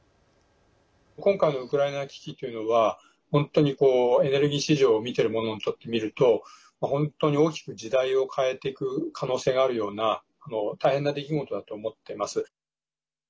今回のウクライナ危機というのは、本当にエネルギー市場を見てる者にとってみると本当に大きく時代を変えていく可能性があるような大変な出来事だと思ってます。